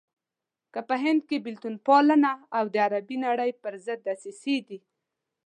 که په هند کې بېلتون پالنه او د عربي نړۍ پرضد دسيسې دي.